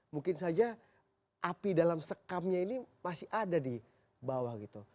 mungkin saja api dalam sekamnya ini masih ada di bawah gitu